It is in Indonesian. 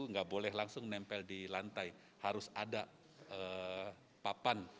tidak boleh langsung menempel di lantai harus ada papan